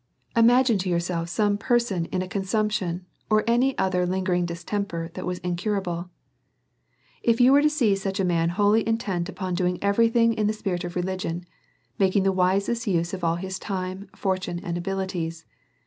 Imagine to yourself some person in a consumption, or any other lingering distemper that is incurable. If you was to see such a man wholly intent upon doing every thing in the spirit of religion, making the wisest use of all his time, fortune, and abilities.